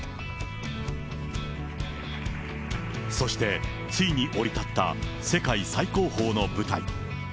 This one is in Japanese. そして、ついに降り立った世界最高峰の舞台。